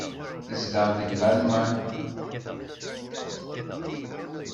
Tezdeɣ deg Lalman.